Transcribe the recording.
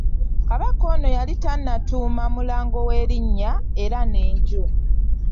Kabaka ono yali tannatuuma Mulango we linnya, era n'enju.